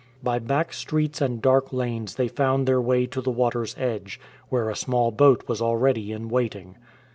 By back streets and dark lanes they found their way to the water's edge, where a small boat was already in waiting.